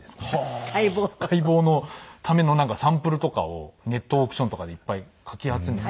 解剖のためのサンプルとかをネットオークションとかでいっぱいかき集めて。